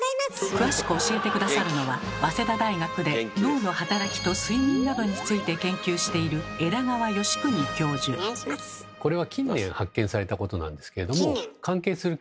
詳しく教えて下さるのは早稲田大学で脳の働きと睡眠などについて研究しているこれはそれはですね